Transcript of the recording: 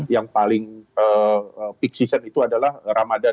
yang paling peak season itu adalah ramadan